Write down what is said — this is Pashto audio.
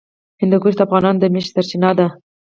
هندوکش د افغانانو د معیشت سرچینه ده.